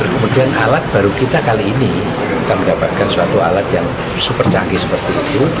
kemudian alat baru kita kali ini kita mendapatkan suatu alat yang super canggih seperti itu